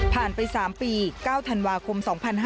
ผ่านไป๓ปี๙ธันวาคม๒๕๖๒